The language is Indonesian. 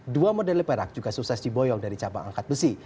dua medali perak juga sukses diboyong dari cabang angkat besi